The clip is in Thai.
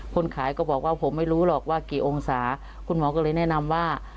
คนขายก็บอกว่าผมไม่รู้หรอกว่ากี่องศาคุณหมอก็เลยแนะนำว่า